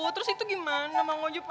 terus itu gimana